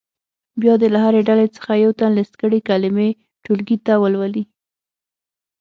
بیا دې له هرې ډلې څخه یو تن لیست کړې کلمې ټولګي ته ولولي.